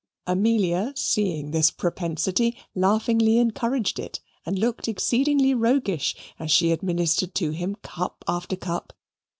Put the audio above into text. Amelia seeing this propensity, laughingly encouraged it and looked exceedingly roguish as she administered to him cup after cup.